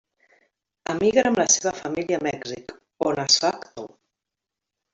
Emigra amb la seva família a Mèxic on es fa actor.